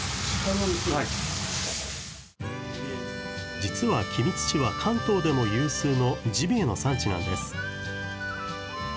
実は君津市は関東でも有数のジビエの産地なんです。